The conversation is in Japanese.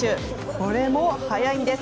これも速いんです。